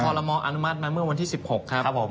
ลมออนุมัติมาเมื่อวันที่๑๖ครับผม